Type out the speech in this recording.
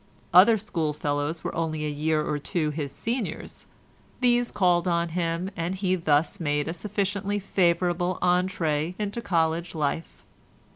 Other schoolfellows were only a year or two his seniors; these called on him, and he thus made a sufficiently favourable entrée into college life.